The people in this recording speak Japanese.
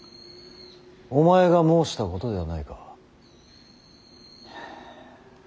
お前が申したことではないか。